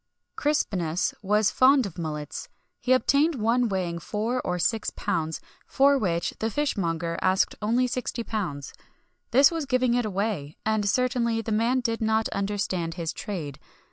Crispinus was fond of mullets. He obtained one weighing four or six pounds, for which the fishmonger asked only £60.[XXI 49] This was giving it away; and certainly the man did not understand his trade.